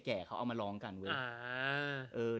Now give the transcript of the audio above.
เขาเอามาร้องกันเว้ย